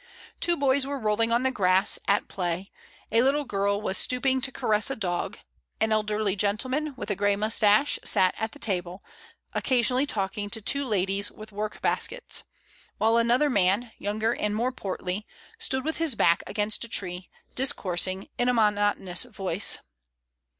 Two boys were rolling on the grass, at play; a little girl was stoop ing to caress a dog; an elderly gentleman, with a grey moustache, sat at the table, occasionally talk ing to two ladies, with work baskets; while another man, younger and more portly, stood with his back against a tree, discoursing in a monotonous voice.